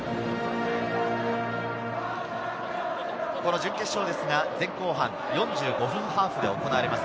準決勝は前後半４５分ハーフで行われます。